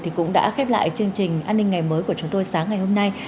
thì cũng đã khép lại chương trình an ninh ngày mới của chúng tôi sáng ngày hôm nay